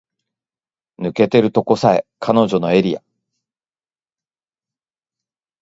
抜けてるとこさえ彼女のエリア